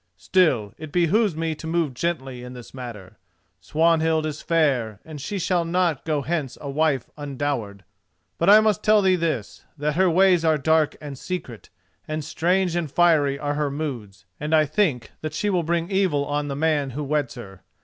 "Still, it behoves me to move gently in this matter. Swanhild is fair, and she shall not go hence a wife undowered. But I must tell thee this: that her ways are dark and secret, and strange and fiery are her moods, and I think that she will bring evil on the man who weds her.